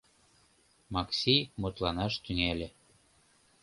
Макси мутланаш тӱҥале.